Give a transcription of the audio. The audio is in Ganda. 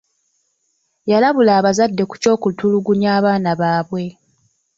Yalabula abazadde ku ky'okutulugunya abaana baabwe.